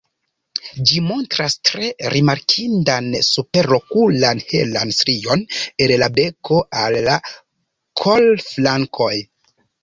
Ĝi montras tre rimarkindan superokulan helan strion el la beko al la kolflankoj.